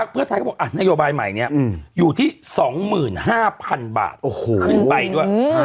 เพื่อท้ายเขาบอกอ่ะนโยบายใหม่เนี่ยอยู่ที่๒๕๐๐๐บาทขึ้นไปด้วย